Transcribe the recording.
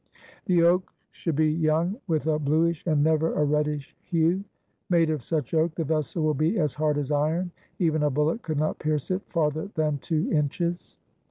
"The oak should be young; with a bluish, and never a reddish hue. Made of such oak, the vessel will be as hard as iron, even a bullet could not pierce it farther than two inches."